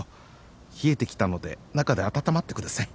冷えてきたので中で温まってください。